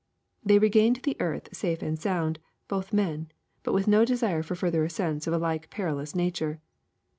''They regained the earth safe and sound, both men, but with no desire for further ascents of a like perilous nature.